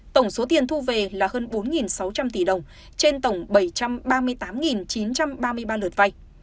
tổng số tiền thu về là hơn bốn sáu trăm linh tỷ đồng trên tổng bảy trăm ba mươi tám chín trăm ba mươi ba lượt vay